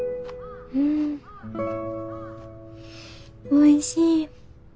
おいしい。